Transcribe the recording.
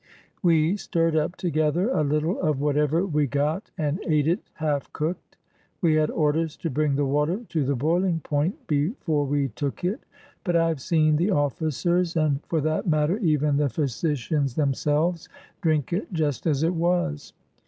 We stirred up together a Httle of whatever we got and ate it half cooked. We had orders to bring the water to the boiling point before we took it; but I have seen the offi cers, and for that matter even the physicians themselves, drink it just as it was.